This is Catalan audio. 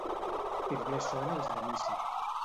Primer són els de missa.